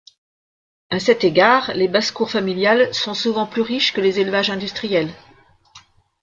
À cet égard, les basses-cours familiales sont souvent plus riches que les élevages industriels.